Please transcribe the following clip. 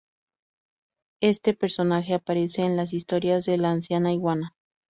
Éste personaje aparece en las historias de la Anciana Iguana.